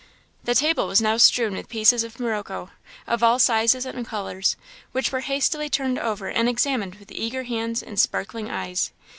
The table was now strewn with pieces of morocco, of all sizes and colours, which were hastily turned over and examined with eager hands and sparkling eyes.